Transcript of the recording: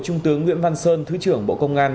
trung tướng nguyễn văn sơn thứ trưởng bộ công an